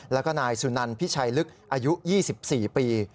แล้วก็นายสุนันพิชัยลึกอายุ๒๔ปี